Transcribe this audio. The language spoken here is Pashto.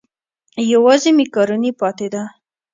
یوازې مېکاروني پاتې ده.